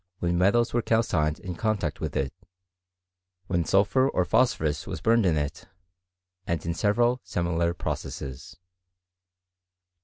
when metals were calcined in contact with it, when sulphur or phosphorus was burnt in it, and in several similar processes.